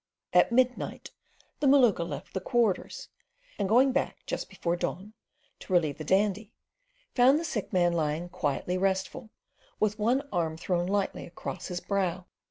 At midnight the Maluka left the Quarters, and going back just before the dawn to relieve the Dandy, found the sick man lying quietly restful, with one arm thrown lightly across his brow.